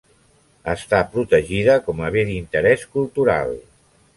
Està protegida com a Bé d'Interés Cultural.